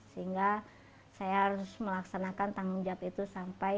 sehingga saya harus melaksanakan tanggung jawab itu secara berat